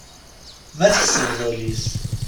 Ma tkesbeḍ ul-is.